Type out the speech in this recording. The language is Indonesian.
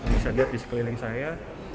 bisa dilihat di sekeliling saya